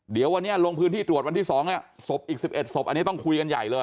เดี๋ยววันนี้ลงพื้นที่ตรวจวันที่๒เนี่ยศพอีก๑๑ศพอันนี้ต้องคุยกันใหญ่เลย